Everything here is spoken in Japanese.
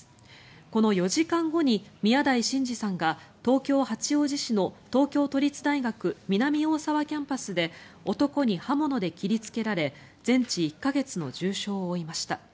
この４時間後に宮台真司さんが東京・八王子市の東京都立大学南大沢キャンパスで男に刃物で切りつけられ全治１か月の重傷を負いました。